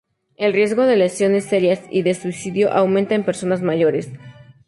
El riesgo de lesiones serias y de suicidio aumenta en personas mayores.